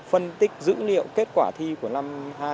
phân tích dữ liệu kết quả thi của năm hai nghìn hai mươi